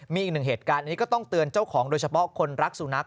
มีอีกหนึ่งเหตุการณ์อันนี้ก็ต้องเตือนเจ้าของโดยเฉพาะคนรักสุนัข